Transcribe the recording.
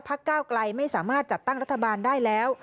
ภักดิ์เก้ากลายไม่สามารถจัดตั้งรัฐบาลได้แล้ว